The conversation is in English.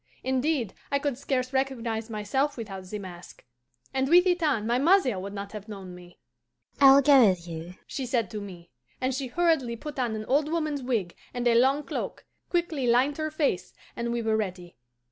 Indeed, I could scarce recognize myself without the mask, and with it on my mother would not have known me. 'I will go with you,' she said to me, and she hurriedly put on an old woman's wig and a long cloak, quickly lined her face, and we were ready.